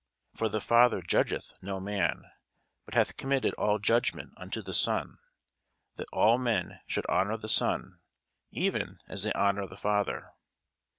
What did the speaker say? For the Father judgeth no man, but hath committed all judgment unto the Son: that all men should honour the Son, even as they honour the Father.